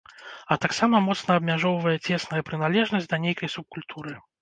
А таксама моцна абмяжоўвае цесная прыналежнасць да нейкай субкультуры.